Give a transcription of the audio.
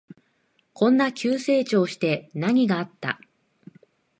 こんな急成長して何があった？